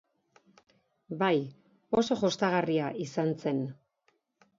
Bai, oso jostagarria izan zen.